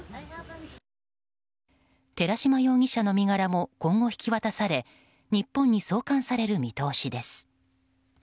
寺島容疑者の身柄も今後、引き渡され日本に送還される見通しです。